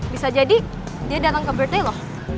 bisa jadi dia datang ke birthday lo